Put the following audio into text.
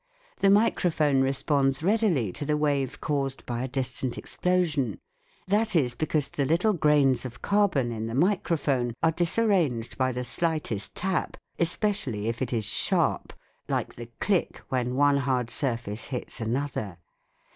The microphone responds readily to the wave (;i used by a distant explosion : that is because the little grains of carbon in the microphone are dis arranged by the slightest tap, especially if it is 192 THE WORLD OF SOUND sharp, like the click when one hard surface hits another.